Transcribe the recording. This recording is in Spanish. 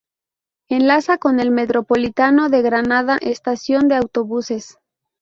Enlaza con el Metropolitano de Granada Estación de Autobuses.